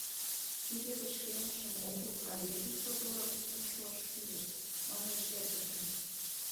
— Тиде пычкемышым огыл, а весым содоррак луктын шуаш кӱлеш, — манеш эргыже.